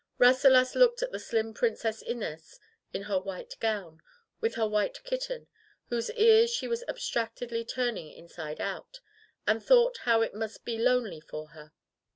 Rasselas looked at the slim Princess Inez in her white gown, with her white kitten, whose ears she was abstractedly turning inside out, and thought how it must be lonely for her.